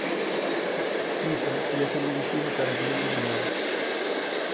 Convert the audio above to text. Lisa ía ser dirixido cara clientes de negocios.